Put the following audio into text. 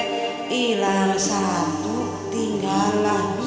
hilang satu tinggallah dua